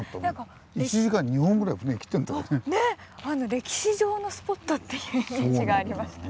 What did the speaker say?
歴史上のスポットっていうイメージがありました。